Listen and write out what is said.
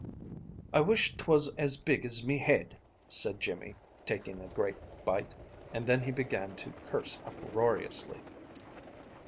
"I wish 'twas as big as me head," said Jimmy, taking a great bite, and then he began to curse uproariously.